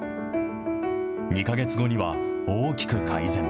２か月後には大きく改善。